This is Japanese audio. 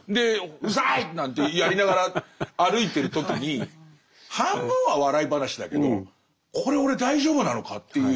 「うるさい！」なんてやりながら歩いてる時に半分は笑い話だけどこれ俺大丈夫なのかっていう。